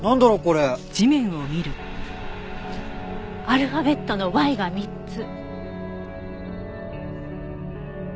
アルファベットのＹが３つ。